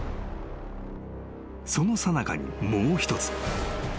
［そのさなかにもう一つ。